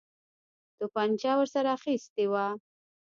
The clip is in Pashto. توپنچه ورسره اخیستې وه.